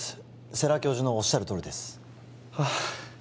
世良教授のおっしゃるとおりですはあ